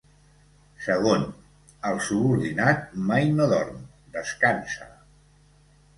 Segon: el subordinat mai no dorm, descansa.